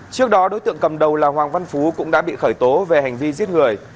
trước đó đối tượng cầm đầu là hoàng văn phú cũng đã bị khởi tố về hành vi giết người